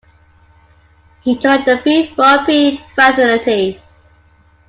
He joined the Phi Rho Pi fraternity.